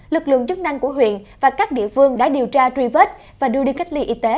lực lượng chức năng của huyện và các địa phương đã điều tra truy vết và đưa đi cách ly y tế